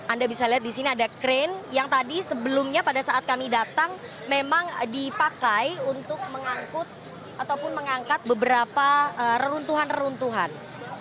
anda bisa lihat di sini ada krain yang tadi sebelumnya pada saat kami datang memang dipakai untuk mengangkut ataupun mengangkat beberapa reruntuhan reruntuhan